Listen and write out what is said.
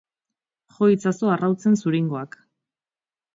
Jo itzazu arrautzen zuringoak.